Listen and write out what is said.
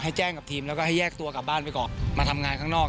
แจ้งกับทีมแล้วก็ให้แยกตัวกลับบ้านไปก่อนมาทำงานข้างนอก